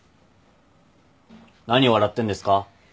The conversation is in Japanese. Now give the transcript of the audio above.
何笑ってんですか？